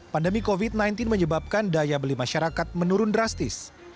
pandemi covid sembilan belas menyebabkan daya beli masyarakat menurun drastis